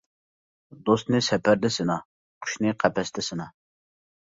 دوستنى سەپەردە سىنا، قۇشنى قەپەستە سىنا.